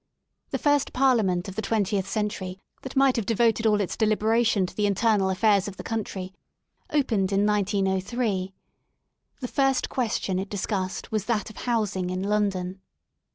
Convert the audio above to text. The first parliament of the twentieth century that might have devoted all its de liberation to the internal affairs of the country opened in 1903. The first question it discussed was that of Housing in London.